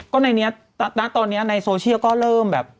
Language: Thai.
ก็ในนี้ณตอนนี้ในโซเชียลก็เริ่มแบบ